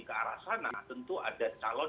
ke arah sana tentu ada calon